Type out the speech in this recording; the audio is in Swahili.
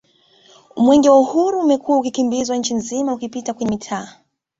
Mwenge wa Uhuru umekuwa ukikimbizwa Nchi nzima ukipita kwenye mitaa